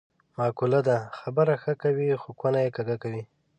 معقوله ده: خبره ښه کوې خو کونه یې کږه کوې.